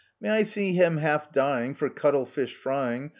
May I see him half dying for cuttle fish frying